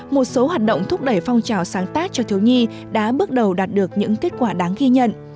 một số hoạt động thúc đẩy phong trào sáng tác cho thiếu nhi đã bước đầu đạt được những kết quả đáng ghi nhận